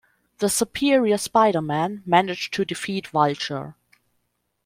The Superior Spider-Man managed to defeat Vulture.